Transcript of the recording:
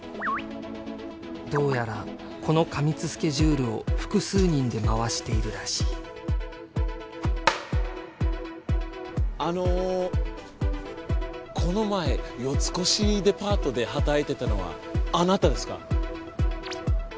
どうやらこの過密スケジュールを複数人で回しているらしいあのこの前四越デパートで働いてたのはあなたですか？